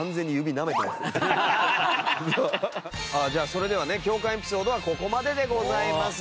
それではね共感エピソードはここまででございます。